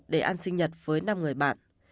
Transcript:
để ăn sinh nhật với năm người bạn